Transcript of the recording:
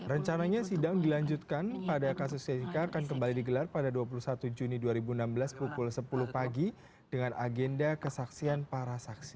rencananya sidang dilanjutkan pada kasus jessica akan kembali digelar pada dua puluh satu juni dua ribu enam belas pukul sepuluh pagi dengan agenda kesaksian para saksi